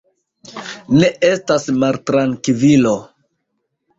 Ne estas maltrankvilo.